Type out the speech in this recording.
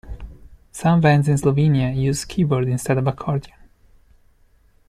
Some bands in Slovenia use keyboard instead of accordion.